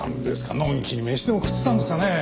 のんきに飯でも食ってたんですかねえ？